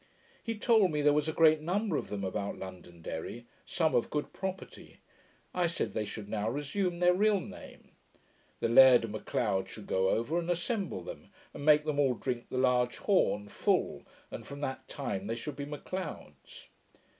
He told me, there was a great number of them about Londonderry; some of good property. I said, they should now resume their real name. The Laird of M'Leod should go over, and assemble them, and make them all drink the large horn full, and from that time they should be M'Leods.